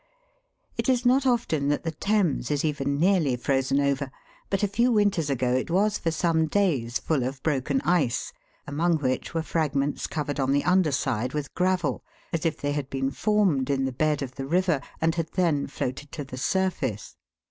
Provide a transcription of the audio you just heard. It is not often that the Thames is even nearly frozen over ; but a few winters ago it was for some days full ot broken ice, among which were fragments covered on the under side with gravel, as if they had been formed in the bed of the river, and had then floated to the surface.